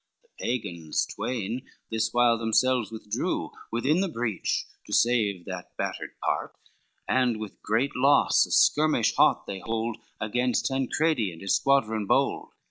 The Pagans twain this while themselves withdrew Within the breach to save that battered part, And with great loss a skirmish hot they hold Against Tancredi and his squadron bold.